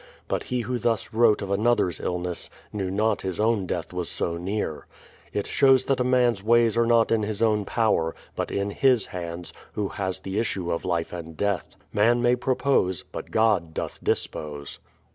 But he who thus wrote of another's illness, knew not his own death was so near. It shows that a man's ways are not in his own power, but THE PLYMOUTH SETTLEIMENT 171 in His hands, Who has the issue of life and death. Man may propose, but God doth dispose.